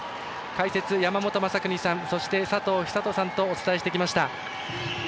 解説、山本昌邦さんそして、佐藤寿人さんとお伝えしてきました。